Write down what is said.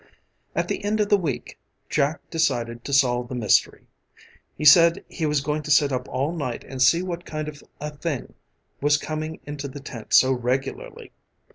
At the end of the week, Jack decided to solve the mystery. He said he was going to sit up all night and see what kind of a thing was coming into the tent so regularly.